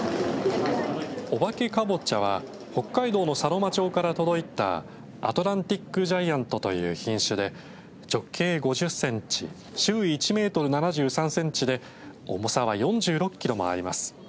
おばけかぼちゃは北海道の佐呂間町から届いたアトランティックジャイアントという品種で直径５０センチ周囲１メートル７３センチで重さは４６キロもあります。